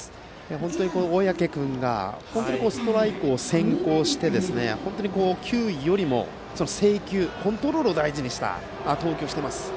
本当に小宅君がストライクを先行して球威より制球コントロールを大事にした投球をしています。